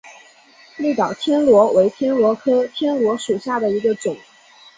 绿岛天螺为天螺科天螺属下的一个种。